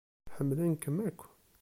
Ḥemmlen-kem akk